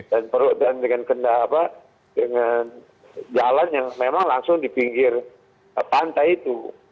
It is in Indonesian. dan dengan kendaraan dengan jalan yang memang langsung di pinggir pantai itu